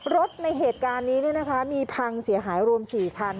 รถในเหตุการณ์นี้เนี้ยนะคะมีพังเสียหายรวมสี่คัน